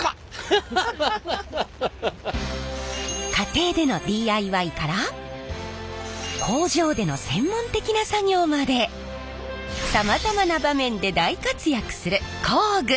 家庭でのＤＩＹから工場での専門的な作業までさまざまな場面で大活躍する工具。